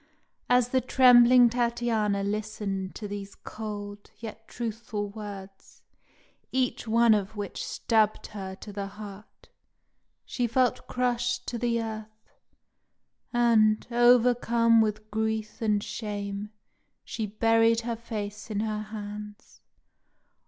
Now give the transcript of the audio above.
As the trembling Tatiana listened to these cold, yet truthful words, each one of which stabbed her to the heart, she felt crushed to the earth; and, overcome with grief and shame, she buried her face in her hands.